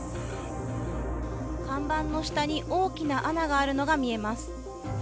看板の下に大きな穴があるのが見えます。